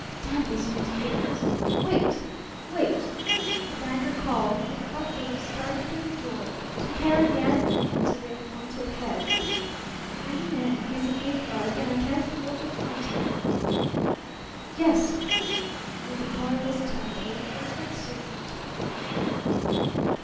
"Damn these newspapers!... Wait, wait!" the banker called, for the butler was starting for the door to carry the anathema to the appointed head. "Bring him in. He's a big bug, and I can't afford to affront him." "Yes, sir" with the colourless tone of a perfect servant.